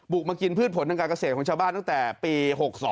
มากินพืชผลทางการเกษตรของชาวบ้านตั้งแต่ปี๖๒